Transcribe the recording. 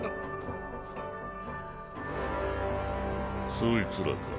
そいつらか。